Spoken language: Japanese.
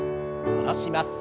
下ろします。